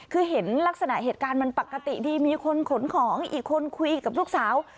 คือเห็นลักษณะเหตุการณ์มันปกติดีมีคนขนของอีกคนคุยกับลูกสาว